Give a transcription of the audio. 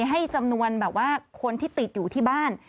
ให้จำนวนแบบว่าคนที่ติดอยู่ที่บ้าน